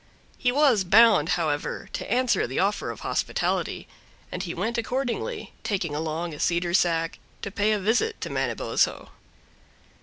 He was bound, however, to answer the offer of hospitality, and he went accordingly, taking along a cedar sack, to pay a visit to Manabozho.